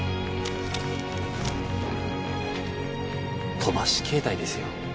飛ばし携帯ですよ。